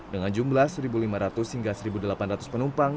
dengan jumlah satu lima ratus hingga satu delapan ratus penumpang